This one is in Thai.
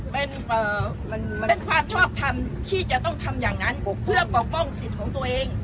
เป็นความชอบทำที่จะต้องทำอย่างนั้นเพื่อปกป้องสิทธิ์ของตัวเอง